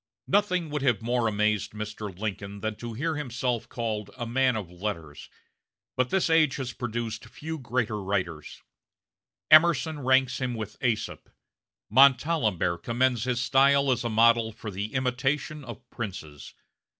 Nothing would have more amazed Mr. Lincoln than to hear himself called a man of letters; but this age has produced few greater writers. Emerson ranks him with Aesop; Montalembert commends his style as a model for the imitation of princes.